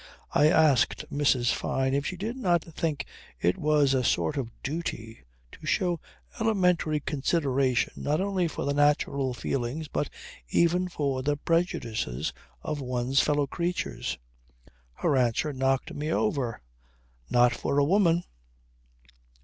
I asked Mrs. Fyne if she did not think it was a sort of duty to show elementary consideration not only for the natural feelings but even for the prejudices of one's fellow creatures. Her answer knocked me over. "Not for a woman."